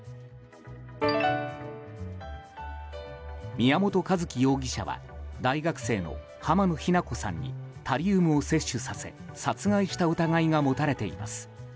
宮本一希容疑者は大学生の浜野日菜子さんにタリウムを摂取させ殺害した疑いが持たれています。